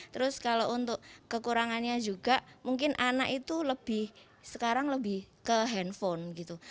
terus kalau untuk kekurangannya juga mungkin anak itu lebih sekarang lebih ke handphone gitu